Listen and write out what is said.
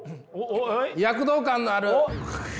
躍動感のある。